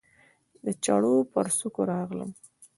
د چړو پر څوکو راغلم